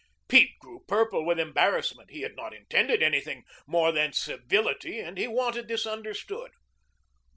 Pete grew purple with embarrassment. He had not intended anything more than civility and he wanted this understood.